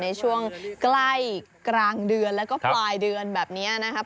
ในช่วงใกล้กลางเดือนแล้วก็ปลายเดือนแบบนี้นะครับ